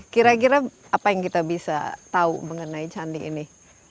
kira kira apa yang kita bisa tahu mengenai candi ini